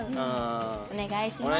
お願いします。